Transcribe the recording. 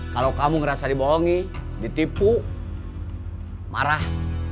kalau kamu ngerasa dibohongi ditipu marah